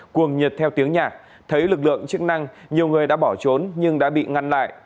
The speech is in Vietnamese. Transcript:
cuồng nhiệt theo tiếng nhạc thấy lực lượng chức năng nhiều người đã bỏ trốn nhưng đã bị ngăn lại